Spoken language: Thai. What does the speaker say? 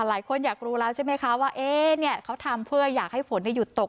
หลายคนอยากรู้แล้วใช่ไหมคะว่าเขาทำเพื่ออยากให้ฝนหยุดตก